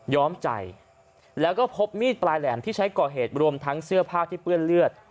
้อมใจแล้วก็พบมีดปลายแหลมที่ใช้ก่อเหตุรวมทั้งเสื้อผ้าที่เปื้อนเลือด